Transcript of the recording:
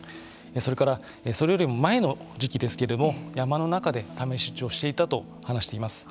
それからそれよりも前の時期ですけれども山の中で試し撃ちをしていたと話しています。